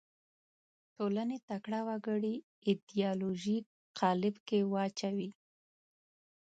ټولنې تکړه وګړي ایدیالوژیک قالب کې واچوي